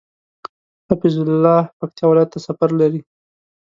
حفيظ الله پکتيا ولايت ته سفر لري